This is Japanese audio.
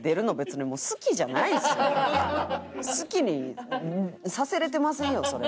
好きにさせれてませんよそれ。